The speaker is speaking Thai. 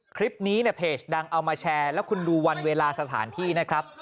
คลิปนี้เนี่ยเพจดังเอามาแชร์แล้วคุณดูวันเวลาสถานที่นะครับ